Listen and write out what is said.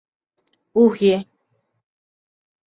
uhie